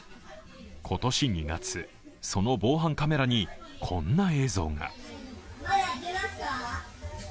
今年２月、その防犯カメラにこんな映像が。